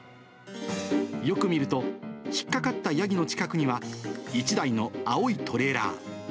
よく見ると、引っ掛かったヤギの近くには、１台の青いトレーラー。